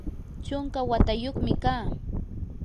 chunka watayuqmi kaa.